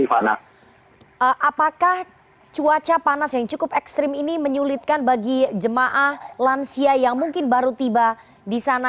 apakah cuaca panas yang cukup ekstrim ini menyulitkan bagi jemaah lansia yang mungkin baru tiba di sana